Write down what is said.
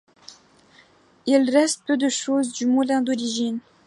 Il reste peu de chose du moulin d'origine.